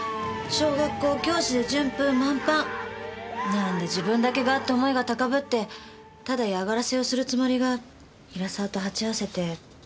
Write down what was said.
「なんで自分だけが」って思いが高ぶってただ嫌がらせをするつもりが比良沢と鉢合わせて。